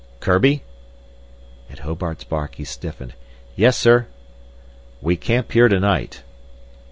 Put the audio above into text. "Kurbi?" At Hobart's bark he stiffened. "Yes, sir!" "We camp here tonight.